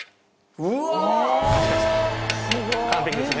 完璧ですね。